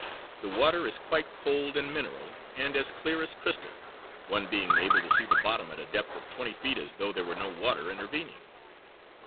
The water is quite cold and mineral, and as clear as crystal, one being able to see the bottom at the depth of twenty feet as though there was no water intervening.